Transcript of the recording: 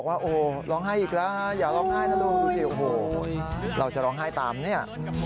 โหร้องไห้อีกแล้วอย่าร้องไห้นะลุงเราจะร้องไห้ตามเนี่ย